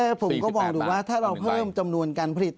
ผมก็มองดูว่าถ้าเราเพิ่มจำนวนการผลิต